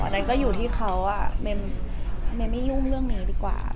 นั่นก็อยู่ที่เขาไม่ยุ่งเรื่องนี้ดีกว่า